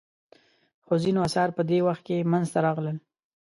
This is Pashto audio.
خو ځینې اثار په دې وخت کې منځته راغلل.